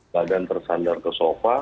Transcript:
badan tersandar ke sofa